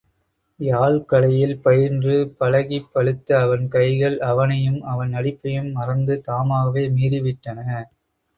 யாழ்க் கலையில் பயின்று பழகிப் பழுத்த அவன் கைகள் அவனையும் அவன் நடிப்பையும் மறந்து தாமாகவே மீறிவிட்டன.